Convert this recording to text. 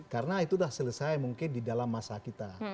karena itu sudah selesai mungkin di dalam masa kita